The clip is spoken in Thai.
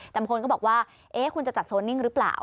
แต่บางคนก็บอกว่าคุณจะจัดโซนนิ่งหรือเปล่า